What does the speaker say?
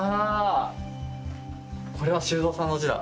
これは修造さんの字だ。